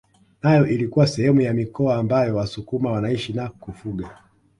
Nayo ilikuwa sehemu ya mikoa ambayo wasukuma wanaishi na kufuga